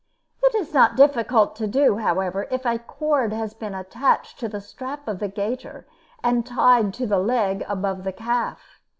It is not difficult to do, however, if a cord has been attached to the strap of the gaiter and tied to the leg above the calf.